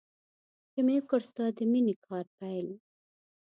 چې مې وکړ ستا د مینې کار پیل.